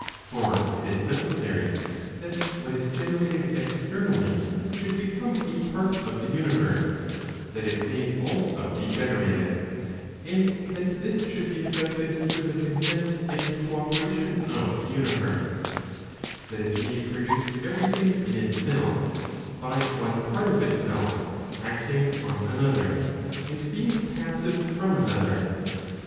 For it is necessary that what is generated externally should become a part of the universe, that it may also be generated ; and that this should be effected through the consent and co¬ operation of the universe, that it may produce every thing in itself, by one part of itself acting on another, and being passive from another.